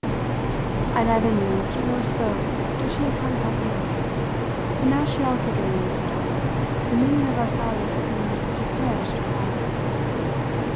I neither moved nor spoke till she had come quite near me, and as she also gave no sound the meaning of our silence seemed to stare straight out.